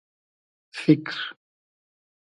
فیکر